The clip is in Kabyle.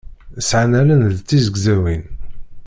Sɛan allen d tizegzawin.